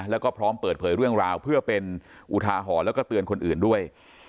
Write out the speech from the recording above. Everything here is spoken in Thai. แล้วก็พร้อมเปิดเผยเรื่องราวเพื่อเป็นอุทาหรณ์แล้วก็เตือนคนอื่นด้วย